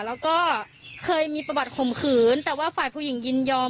แล้วก็เคยมีประวัติข่มขืนแต่ว่าฝ่ายผู้หญิงยินยอม